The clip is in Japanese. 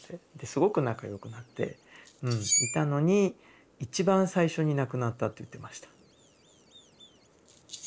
すごく仲良くなっていたのに一番最初に亡くなったって言ってました。